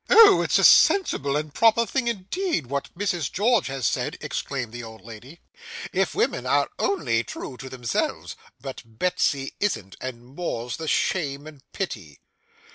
'Oh! It's a sensible and proper thing indeed, what Mrs George has said!' exclaimed the old lady. 'If women are only true to themselves! But Betsy isn't, and more's the shame and pity.